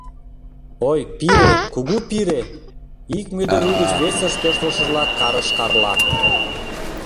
— Ой, пире, кугу пире! — ик мӧдывуй гыч весыш тӧрштылшыжла карыш Карла.